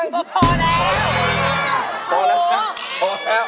เอาเจ้าตัวไปครับ